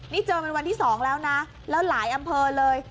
นี่เจอมันวันที่๒แล้วนะแล้วหลายอำเภอเลย